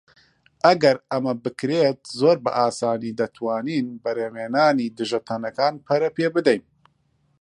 ئەگەر ئەمە بکرێت، زۆر بە ئاسانی دەتوانین بەرهەمهێنانی دژەتەنەکان پەرە پێبدەین.